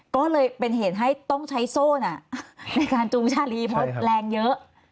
ก็เลยเป็นเหตุให้ต้องใช้โซ่น่ะในการจูงชาลีเพราะแรงเยอะ